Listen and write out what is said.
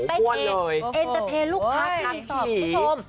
เพลงเองเป็นเองเอ็นเตอร์เทลูกครับทางสอบคุณผู้ชม